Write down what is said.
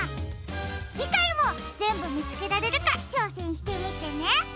じかいもぜんぶみつけられるかちょうせんしてみてね！